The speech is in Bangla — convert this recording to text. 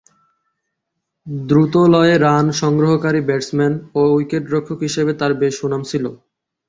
দ্রুতলয়ে রান সংগ্রহকারী ব্যাটসম্যান ও উইকেট-রক্ষক হিসেবে তার বেশ সুনাম ছিল।